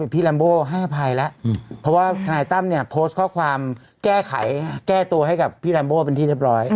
แจ้งความอีกที